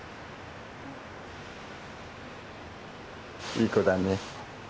いい子だね。